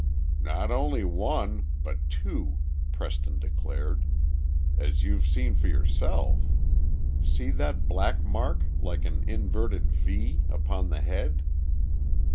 "Not only one, but two," Preston declared, "as you've seen for yourself. See that black mark, like an inverted V, upon the head?